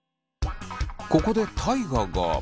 ここで大我が。